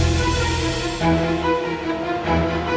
ibu n symbah mengumumkan kita